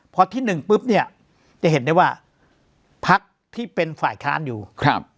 พอที่หนึ่งปุ๊บเนี่ยจะเห็นได้ว่าพักที่เป็นฝ่ายค้านอยู่ครับ